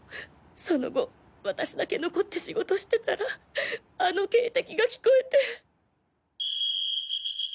その後私だけ残って仕事してたらあの警笛が聞こえて。